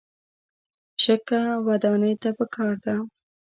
شګه ودانۍ ته پکار ده.